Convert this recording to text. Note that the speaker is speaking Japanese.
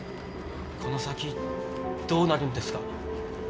この先どうなるんですか？